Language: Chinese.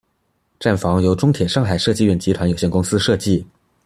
站房由中铁上海设计院集团有限公司设计。